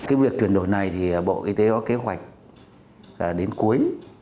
cái việc chuyển đổi này thì bộ y tế có kế hoạch là đến cuối